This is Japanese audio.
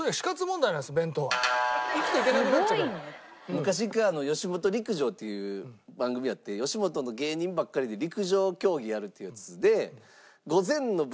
昔からの『吉本陸上』っていう番組あって吉本の芸人ばっかりで陸上競技やるっていうやつで。